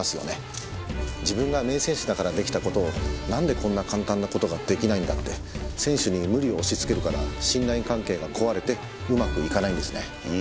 自分が名選手だからできた事をなんでこんな簡単な事ができないんだって選手に無理を押しつけるから信頼関係が壊れてうまくいかないんですね。